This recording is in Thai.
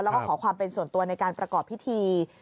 แล้วก็ขอความเป็นส่วนตัวในการประกอบพิธี